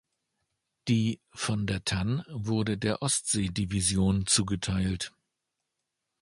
Die "Von der Tann" wurde der Ostsee-Division zugeteilt.